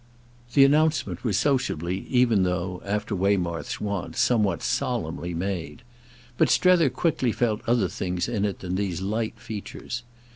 The announcement was sociably, even though, after Waymarsh's wont, somewhat solemnly made; but Strether quickly felt other things in it than these light features.